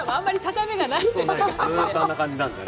ずうっとあんな感じなんで。